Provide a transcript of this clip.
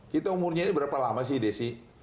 kita umurnya ini berapa lama sih desi